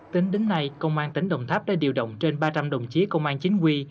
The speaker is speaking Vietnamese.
tính đến nay công an tỉnh đồng tháp đã điều động trên ba trăm linh đồng chí công an chính quy